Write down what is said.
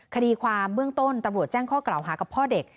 คดีความเบื้องต้นตำรวจแจ้งข้อกล่าวหากับพ่อเด็ก